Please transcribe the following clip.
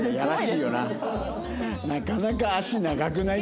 なかなか「足長くない？」